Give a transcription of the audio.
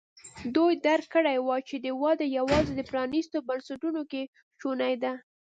دوی درک کړې وه چې وده یوازې د پرانیستو بنسټونو کې شونې ده.